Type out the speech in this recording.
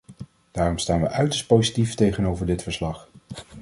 Daarom staan wij uiterst positief tegenover dit verslag.